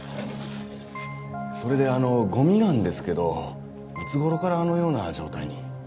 それであのゴミなんですけどいつ頃からあのような状態に？